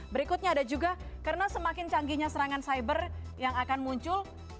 berikutnya ada juga karena semakin canggihnya serangan cyber yang akan muncul